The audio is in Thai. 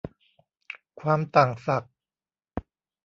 ความต่างศักย์